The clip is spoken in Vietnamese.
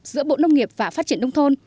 giữa bộ nông nghiệp và phát triển nông thôn